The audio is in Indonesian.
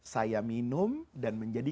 saya minum dan menjadi